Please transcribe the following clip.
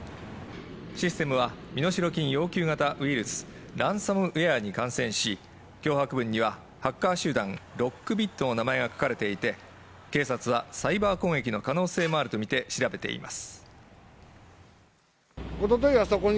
システムは身代金要求型ウイルスランサムウェアに感染し、脅迫文にはハッカー集団ロックビットの名前が書かれていて、警察は、サイバー攻撃の可能性もあるとみて調べています。